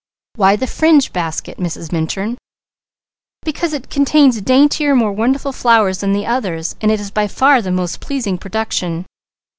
"Why the fringed basket, Mrs. Minturn?" "Because it contains daintier, more wonderful flowers than the others, and is by far the most pleasing production."